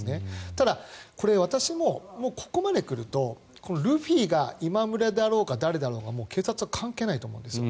ただ、これは私もここまで来るとルフィが今村であろうが誰であろうが警察は関係ないんです。